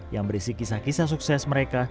yang berisi kisah kisah sukses mereka